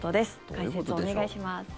解説、お願いします。